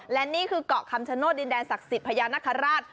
และนี่คือเกาะคำชโนธดินแดนศักดิ์สิทธิพญานาคาราช